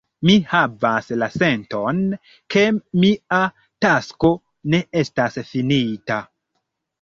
Mi havas la senton, ke mia tasko ne estas finita.